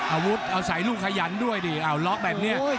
อาวุธเอาใส่ลูกขยันด้วยดิเอาล็อกแบบนี้